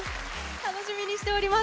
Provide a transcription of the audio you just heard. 楽しみにしております。